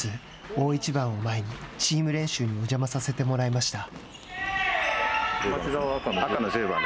大一番を前にチーム練習にお邪魔させてもらいました。